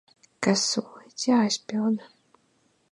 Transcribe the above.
Kas solīts, jāizpilda!